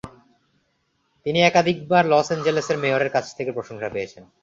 তিনি একাধিকবার লস অ্যাঞ্জেলেসের মেয়রের কাছ থেকে প্রশংসা পেয়েছেন।